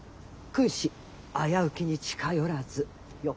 「君子危うきに近寄らず」よ。